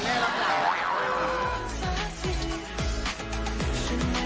สุดท้ายสุดท้าย